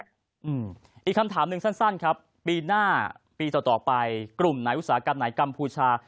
อืมอีกคำถามหนึ่งสั้นครับปีหน้าปีต่อต่อไปกลุ่มไหนอุตสาหกรรมไหนกัมพูชา